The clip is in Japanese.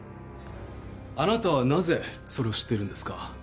あなたはなぜそれを知っているんですか？